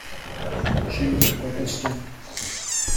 She is a Protestant.